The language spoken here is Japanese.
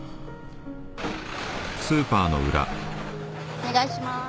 お願いします。